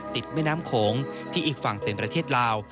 ติดแม่น้ำโขงที่อีกฝั่งเป็นประเทศลาว